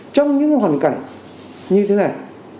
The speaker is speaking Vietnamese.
trong những hoàn cảnh như thế này